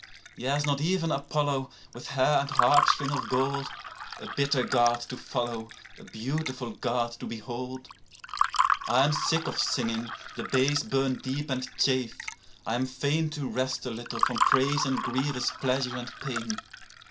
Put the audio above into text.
7Yea, is not even Apollo, with hair and harpstring of gold,8A bitter God to follow, a beautiful God to behold?9I am sick of singing; the bays burn deep and chafe: I am fain10To rest a little from praise and grievous pleasure and pain.